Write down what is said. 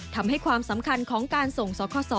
ทำให้ความสำคัญของการส่งสคส